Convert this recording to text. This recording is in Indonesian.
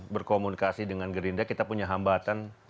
berkomunikasi dengan gerinda kita punya hambatan